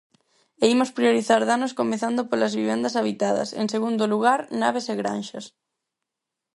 E imos priorizar danos comezando polas vivendas habitadas; en segundo lugar, naves e granxas.